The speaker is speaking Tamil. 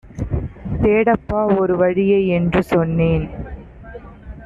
தேடப்பா ஒருவழியை என்றுசொன்னேன்.